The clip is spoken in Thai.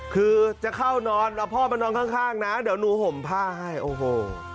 คือจะเข้านอนเอาพ่อมานอนข้างนะเดี๋ยวหนูห่มผ้าให้โอ้โห